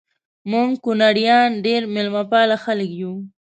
مونږ کونړیان ډیر میلمه پاله خلک یو